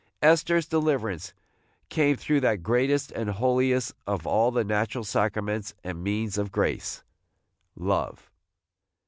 Esther's deliverance came through that greatest and holiest of all the natural sacraments and means of grace, – LOVE.